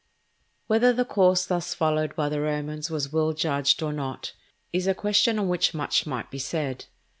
Whether the course thus followed by the Romans was well judged or not, is a question on which much might be said.